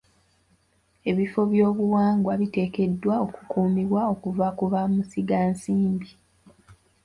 Ebifo by'obuwangwa biteekeddwa okukuumibwa okuva ku bamusigansimbi.